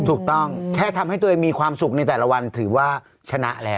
ถูกต้องแค่ทำให้ตัวเองมีความสุขในแต่ละวันถือว่าชนะแล้ว